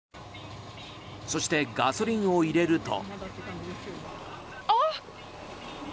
そして、ガソリンを入れると。